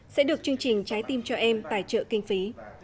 sẽ được chương trình trái tim cho em tài trợ kinh phí